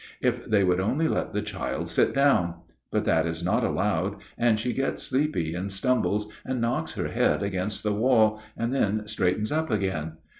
If they would only let the child sit down! But that is not allowed, and she gets sleepy and stumbles and knocks her head against the wall and then straightens up again.